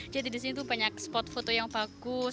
jadi di sini banyak spot foto yang bagus